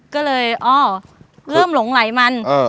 ก็เลยอ๋อเริ่มหลงไหลมัน